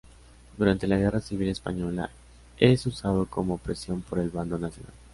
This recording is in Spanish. Durante la Guerra Civil Española es usado como prisión por el bando nacional.